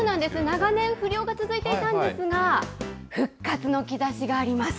長年不漁が続いていたんですが、復活の兆しがあります。